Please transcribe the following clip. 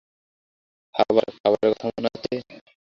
খাবার, খাবারের কথা মনে আছে?